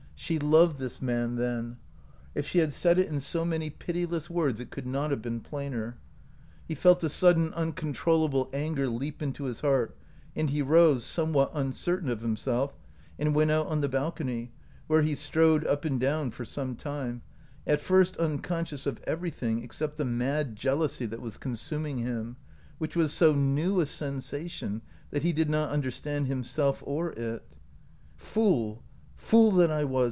She loved this man, then. If she had said it in so many pitiless words it could not have been plainer. He felt a sudden uncontrollable anger leap into his heart, and he rose, somewhat uncertain of himself, and went out on the balcony, where he strode up and down for some time, at first unconscious of everything except the mad jealousy that was consuming him, which was so new a sensation that he did not under stand himself or it. "Fool, fool that I was!"